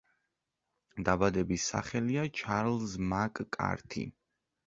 დაბადების სახელია ჩარლზ მაკ-კართი.